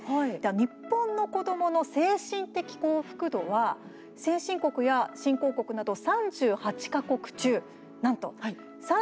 日本の子どもの精神的幸福度は先進国や新興国など３８か国中なんと３７位だったんです。